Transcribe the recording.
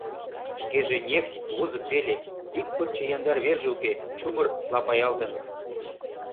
Шкеже нефть вузык веле, ик пырче яндар верже уке, чумыр лапаялтын.